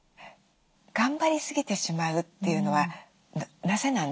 頑張りすぎてしまうっていうのはなぜなんでしょうね？